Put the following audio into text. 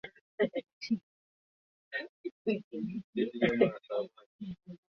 China na Korea ya Kaskazini kamati ya siri ya upinzani pamoja na jeshi la